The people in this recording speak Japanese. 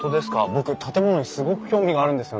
僕建物にすごく興味があるんですよね。